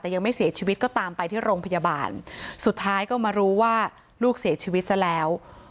แต่ยังไม่เสียชีวิตก็ตามไปที่โรงพยาบาลสุดท้ายก็มารู้ว่าลูกเสียชีวิตซะแล้ว